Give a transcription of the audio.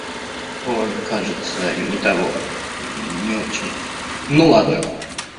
Он, кажется, не того… не очень… Ну ладно!